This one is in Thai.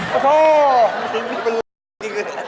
โตโศย์